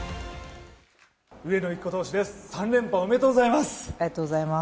上野由岐子投手です